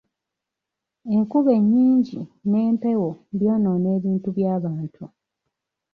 Enkuba enyingi n'empewo byonoona ebintu by'abantu.